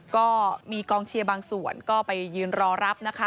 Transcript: ก็มีกองเชียร์บางส่วนก็ไปยืนรอรับนะคะ